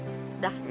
jangan khawatir ya